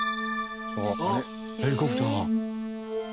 あっヘリコプター。